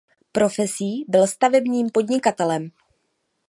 Profesí byl stavebním podnikatelem.